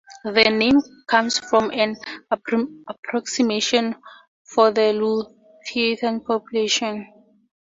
The name comes from an approximation for the Lithuanian population.